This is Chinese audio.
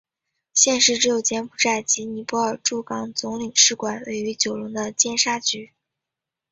现时只有柬埔寨及尼泊尔驻港总领事馆位于九龙的尖沙咀。